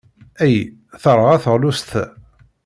Ay, terɣa teɣlust-a!